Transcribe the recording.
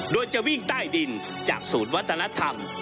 โดยจะวิ่งใต้ดินจากศูนย์วัฒนธรรม